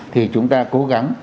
thì chúng ta cố gắng